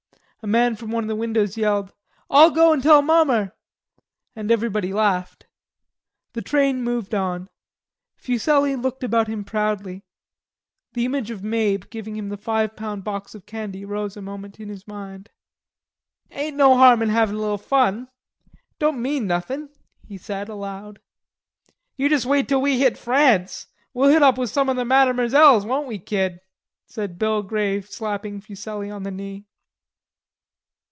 A man from one of the windows yelled, "I'll go an' tell mommer"; and everybody laughed. The train moved on. Fuselli looked about him proudly. The image of Mabe giving him the five pound box of candy rose a moment in his mind. "Ain't no harm in havin' a little fun. Don't mean nothin'," he said aloud. "You just wait till we hit France. We'll hit it up some with the Madimerzels, won't we, kid?" said Bill Grey, slapping Fuselli on the knee.